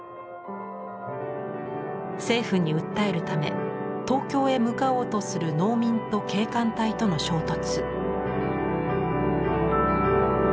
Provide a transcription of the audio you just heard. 政府に訴えるため東京へ向かおうとする農民と警官隊との衝突。